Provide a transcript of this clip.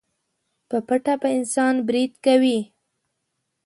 په پټه په انسان بريد کوي.